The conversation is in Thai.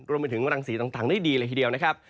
รวมไปถึงรังสีต่างได้ดีเลยทีเดียวนะครับ